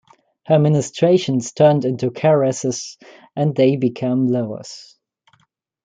Her ministrations turned into caresses and they became lovers.